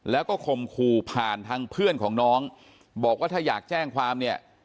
แล้วก็ข่มขู่ผ่านทางเพื่อนของน้องบอกว่าถ้าอยากแจ้งความเนี่ย